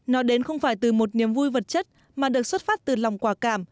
nó đến không phải từ một niềm vui vật chất mà được xuất phát từ lòng quả cảm